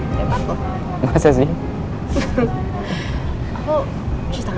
saya paku masa sih aku susah ya